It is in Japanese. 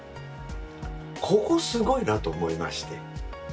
ここすごいなと思いまして。